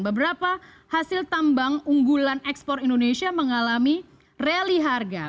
beberapa hasil tambang unggulan ekspor indonesia mengalami rally harga